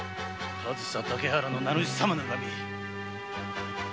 上総竹原の名主様の恨み。